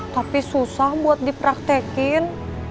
tapi susah buat dipraktekin